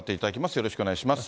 よろしくお願いします。